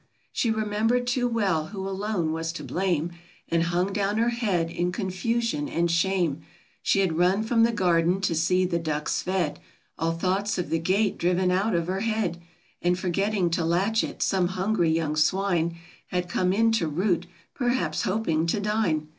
She remembered too well who alone was to blame, And hung down her head in confusion and shame! She had run from the garden to see the ducks fed ; All thoughts of the gate driven out of her head ; And forgetting to latch it, some hungry young swine Had come in to root — perhaps hoping to dine.